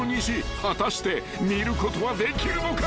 ［果たして見ることはできるのか］